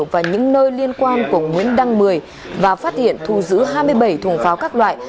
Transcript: và những nơi liên quan của nguyễn đăng mười và phát hiện thu giữ hai mươi bảy thùng pháo các loại